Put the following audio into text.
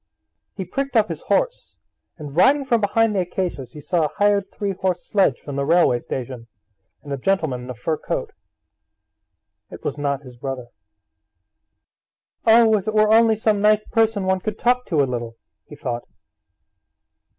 He pricked up his horse, and riding out from behind the acacias he saw a hired three horse sledge from the railway station, and a gentleman in a fur coat. It was not his brother. "Oh, if it were only some nice person one could talk to a little!" he thought.